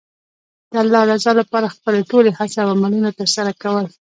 د الله رضا لپاره خپلې ټولې هڅې او عملونه ترسره کول.